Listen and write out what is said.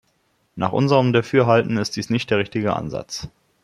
Nach unserem Dafürhalten ist dies nicht der richtige Ansatz.